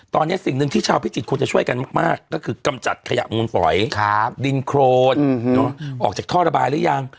ตอนนี้สิ่งหนึ่งที่ชาวพิจิตรควรจะช่วยกันมากก็คือกำจัดขยะมูลฝอยดินโครนออกจากท่อระบายหรือยัง